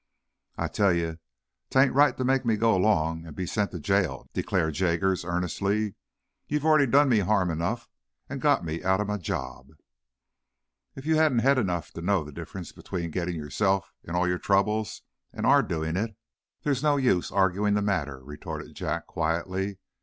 "I tell ye, tain't right to make me go along an' be sent to jail," declared Jaggers, earnestly. "Ye've already done me harm enough, and got me outer my job." "If you haven't head enough to know the difference between getting yourself into all your troubles, and our doing it, there's no use arguing the matter," retorted Jack, quietly.